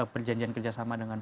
perjanjian kerjasama dengan